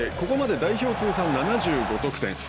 ここまで代表通算７５得点。